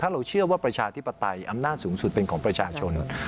เราเชื่อว่าประชาธิปไตยอำนาจสูงสุดเป็นของประชาชน